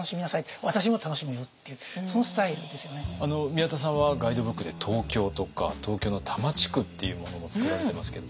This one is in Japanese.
宮田さんはガイドブックで東京とか東京の多摩地区っていうものも作られてますけども。